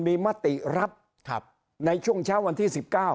มีมติรับในช่วงเช้าวันที่๑๙